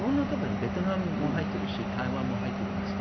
ベトナムも入っているし台湾も入っています。